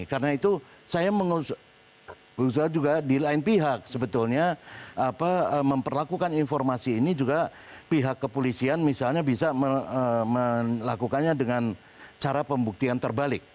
karena itu saya mengusul juga di lain pihak sebetulnya memperlakukan informasi ini juga pihak kepolisian misalnya bisa melakukannya dengan cara pembuktian terbalik